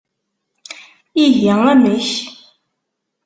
Ihi amek?